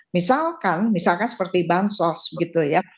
misalkan misalkan seperti bansos gitu ya